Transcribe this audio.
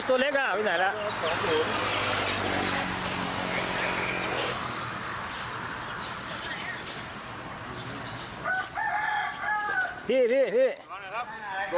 โอ้โหเห็นไหม